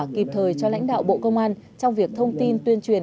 kịp thời cho lãnh đạo bộ công an trong việc thông tin tuyên truyền